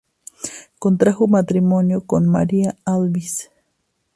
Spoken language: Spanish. Contrajo matrimonio María Alvis.